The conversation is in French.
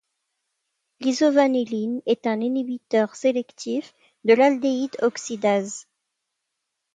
L'isovanilline est un inhibiteur sélectif de l'aldéhyde oxydase.